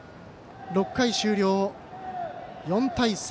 ６回終了、４対３。